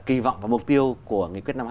kỳ vọng và mục tiêu của nghị quyết năm hai